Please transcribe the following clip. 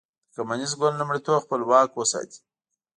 د کمونېست ګوند لومړیتوب خپل واک وساتي.